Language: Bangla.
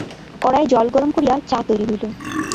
কড়ায় জল গরম করিয়া চা তৈরি হইল।